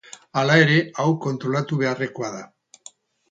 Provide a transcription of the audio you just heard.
Hala ere, hau kontrolatu beharrekoa da.